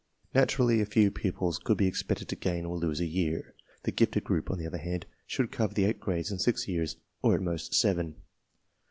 Naturally a few pupils could be expected to gain or lose a year. The gifted group, on the other ha ndj should cover the eight * ffrades in six years , or at most seven.